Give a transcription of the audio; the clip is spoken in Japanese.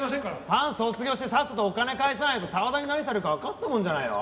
ファン卒業してさっさとお金返さないと澤田に何されるかわかったもんじゃないよ。